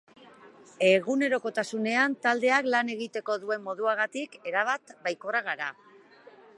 Egunerokotasunean taldeak lan egiteko duen moduagatik erabat baikorrak gara.